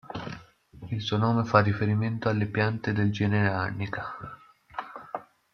Il suo nome fa riferimento alle piante del genere "Arnica".